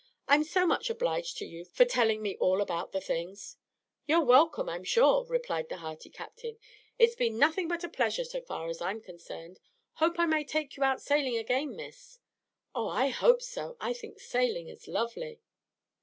"I'm so much obliged to you for telling me all about the things." "You're welcome, I'm sure," replied the hearty Captain. "It's been nothing but a pleasure so far as I'm concerned. Hope I may take you out sailing again, Miss." "Oh, I hope so. I think sailing is lovely."